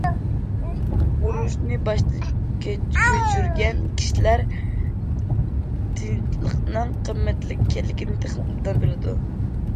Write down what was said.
ئۇرۇشنى باشتىن كۆچۈرگەن كىشىلەر، تىنچلىقنىڭ قىممەتلىك ئىكەنلىكىنى تېخىمۇ ئوبدان بىلىدۇ.